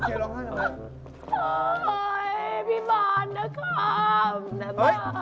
พี่บานนะครับ